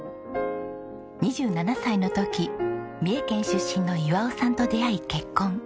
２７歳の時三重県出身の岩男さんと出会い結婚。